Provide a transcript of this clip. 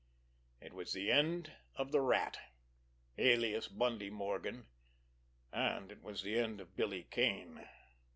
It was the end of the Rat, alias Bundy Morgan—and it was the end of Billy Kane.